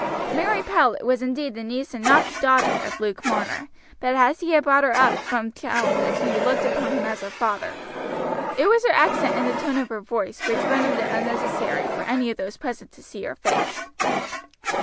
Mary Powlett was indeed the niece and not the daughter of Luke Marner, but as he had brought her up from childhood she looked upon him as her father. It was her accent and the tone of her voice which rendered it unnecessary for any of those present to see her face.